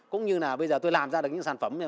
cũng như là bây giờ tôi làm ra được những sản phẩm